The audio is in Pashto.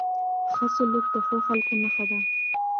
ښه سلوک د ښو خلکو نښه ده.